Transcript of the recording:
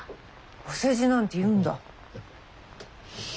お世辞なんて言うんだ。